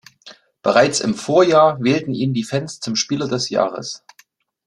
Bereits im Vorjahr wählten ihn die Fans zum Spieler des Jahres.